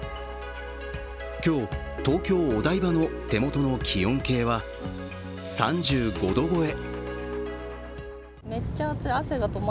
今日、東京・お台場の手元の気温計は３５度超え。